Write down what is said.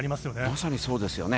まさにそうですよね。